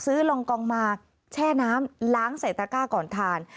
ลองกองมาแช่น้ำล้างใส่ตะก้าก่อนทาน